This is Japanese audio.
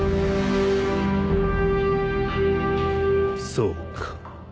そうか。